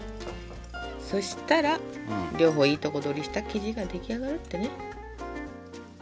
そしたら両方いいとこ取りした生地が出来上がるってね。